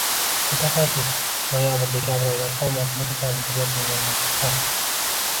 Mutaxassis: Noyabr—dekabr oylari qon bosimi kasalligi bor bemorlar uchun xavfli